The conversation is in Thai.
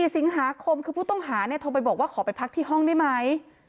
๔สิงหาคมคือผู้ต้องหาโทรไปบอกว่าขอไปพักที่ห้องได้ไหม